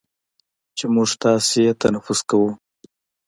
چې موږ تاسې یې تنفس کوو،